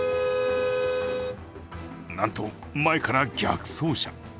なんと前から逆走車。